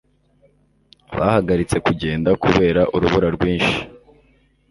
bahagaritse kugenda kubera urubura rwinshi